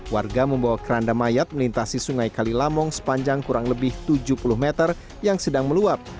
warga membawa keranda mayat melintasi sungai kalilamong sepanjang kurang lebih tujuh puluh meter yang sedang meluap